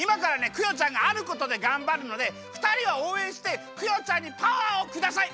クヨちゃんがあることでがんばるのでふたりはおうえんしてクヨちゃんにパワーをください！